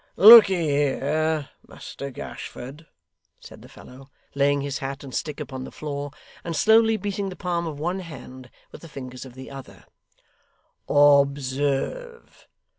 'Lookye here, Muster Gashford,' said the fellow, laying his hat and stick upon the floor, and slowly beating the palm of one hand with the fingers of the other; 'Ob serve.